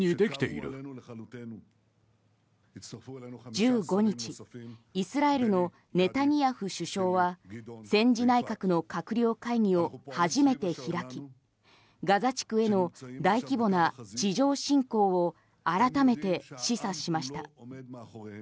１５日、イスラエルのネタニヤフ首相は戦時内閣の閣僚会議を初めて開きガザ地区への大規模な地上侵攻を改めて示唆しました。